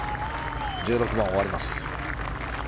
１６番、終わります。